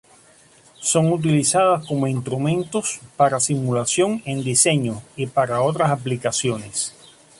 Son utilizadas como instrumentos, para simulación, en diseño, y para otras aplicaciones.